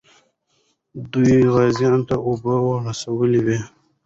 دوی غازیانو ته اوبه رسولې وې.